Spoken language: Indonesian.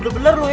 bener dua lu ya